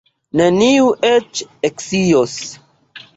Neniu eĉ ekscios.